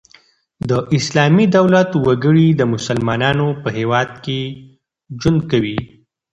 د اسلامي دولت وګړي د مسلمانانو په هيواد کښي ژوند کوي.